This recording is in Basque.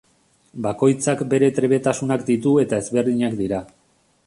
Bakoitzak bere trebetasunak ditu eta ezberdinak dira.